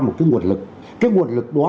một cái nguồn lực cái nguồn lực đó